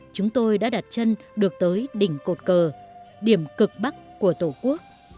chúng tôi đã đặt chân được tới đỉnh cột cờ điểm cực bắc của tổ quốc